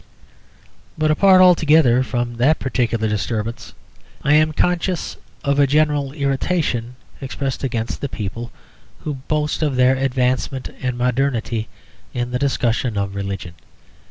But apart altogether from that particular disturbance, I am conscious of a general irritation expressed against the people who boast of their advancement and modernity in the discussion of religion.